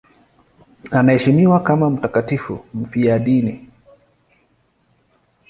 Anaheshimiwa kama mtakatifu mfiadini.